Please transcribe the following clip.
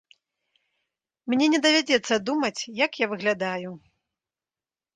Мне не давядзецца думаць, як я выглядаю.